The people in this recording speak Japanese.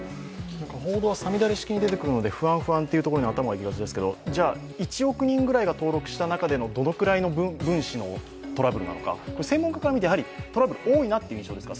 報道は五月雨式に出てくるんですけれども、不安不安というところに頭がいきがちですがじゃあ、１億人ぐらいが登録した中でのどのくらいの分子のトラブルなのか専門家から見てトラブル多いなという印象ですか？